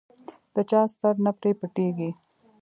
د چا ستر نه پرې پټېږي.